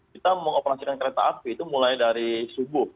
kita mengoperasikan kereta api itu mulai dari subuh